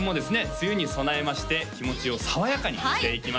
梅雨に備えまして気持ちを爽やかにしていきます